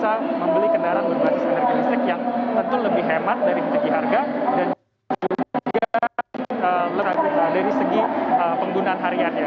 jadi kendaraan berbasis energi listrik yang tentu lebih hemat dari segi harga dan juga lebih lebih dari segi penggunaan hariannya